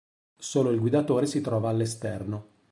Solo il guidatore si trova all'esterno.